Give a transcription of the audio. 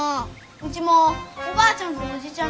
うちもおばあちゃんとおじちゃん